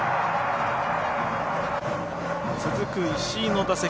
続く、石井の打席。